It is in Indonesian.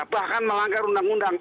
bahkan melanggar undang undang